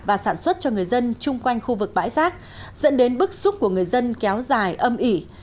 và sản xuất cho người dân chung quanh khu vực bãi rác dẫn đến bức xúc của người dân kéo dài âm ỉ